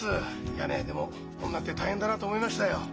いやねでも女って大変だなと思いましたよ。